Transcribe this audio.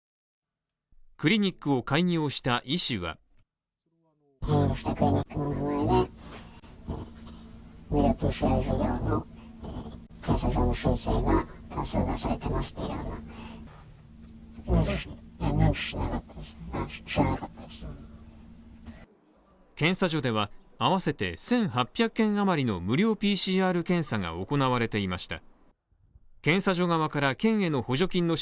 クリニックを開業した医師は検査所では合わせて１８００件あまりの無料ＰＣＲ検査が行われていました。